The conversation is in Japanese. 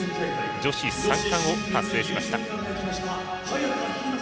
女子三冠を達成しました。